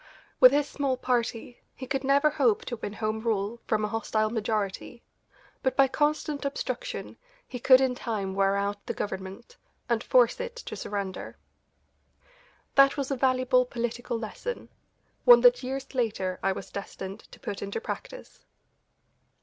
With his small party he could never hope to win home rule from a hostile majority, but by constant obstruction he could in time wear out the Government, and force it to surrender. That was a valuable political lesson, one that years later I was destined to put into practice.